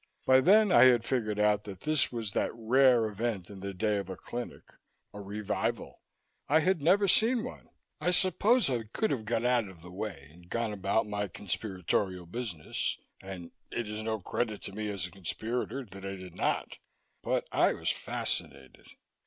By then I had figured out that this was that rare event in the day of a clinic a revival. I had never seen one. I suppose I could have got out of the way and gone about my conspiratorial business, and it is no credit to me as a conspirator that I did not. But I was fascinated.